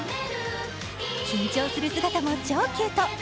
緊張する姿も超キュート。